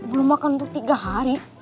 belum makan untuk tiga hari